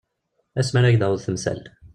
Asma ara ak-d-taweḍ temsalt.